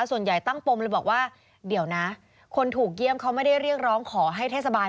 ส่วนใหญ่ตั้งปมเลยบอกว่าเดี๋ยวนะคนถูกเยี่ยมเขาไม่ได้เรียกร้องขอให้เทศบาล